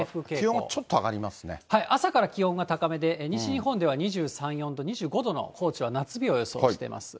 はい、朝から気温が高めで、西日本では２３、４度、２５度の高知は夏日を予想してます。